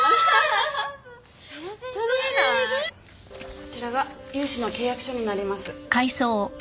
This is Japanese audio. こちらが融資の契約書になります